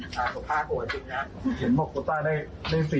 ติ๊กคอติ๊กคอก็ต้องเป็นกระทรวงศาลนักศูนย์